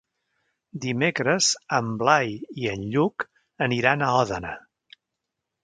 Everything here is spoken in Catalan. Dimecres en Blai i en Lluc aniran a Òdena.